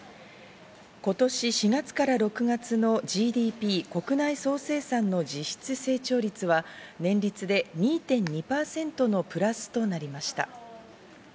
今年４月から６月のＧＤＰ＝国内総生産の実質成長率は年率で２．２％のプラスとなりました。